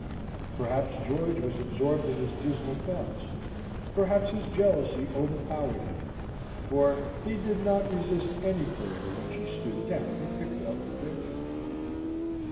Perhaps George was absorbed in his dismal thoughts; perhaps his jealousy overpowered him, for he did not resist any further when she stooped down and picked up the paper.